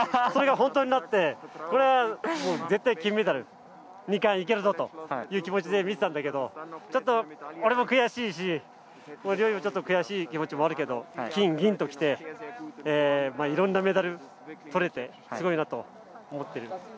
それが本当になってそれが絶対金メダル２冠行けるぞという気持ちで見ていたんだけど俺も悔しいし陵侑も悔しい気持ちあるけど金銀ときていろんなメダル取れてすごいなと思っている。